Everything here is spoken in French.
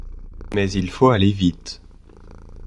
Mais il faut aller vite.